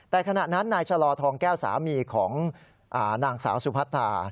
แต่ขณะนั้นนายชะลอทองแก้วสามีของนางสาวสุพัทธา